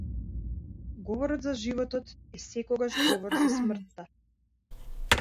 Говорот за животот е секогаш говор за смртта.